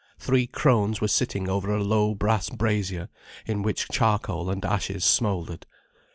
Three crones were sitting over a low brass brazier, in which charcoal and ashes smouldered.